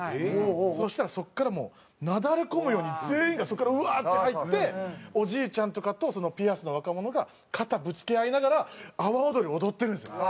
そしたらそこからもうなだれ込むように全員がそこからうわーって入っておじいちゃんとかとピアスの若者が肩ぶつけ合いながら阿波おどりを踊ってるんですよ。